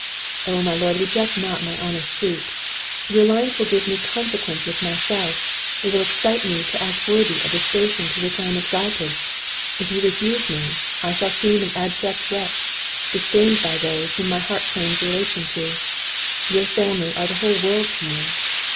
Oh, my Lord, reject not my honest suit! Your alliance will give me consequence with myself, it will excite me to act worthy of the station to which I am exalted; if you refuse me, I shall seem an abject wretch, disdained by those whom my heart claims relation to; your family are the whole world to me.